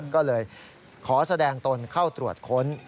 ก็เลยขอแสดงตนเข้าตรวจค้น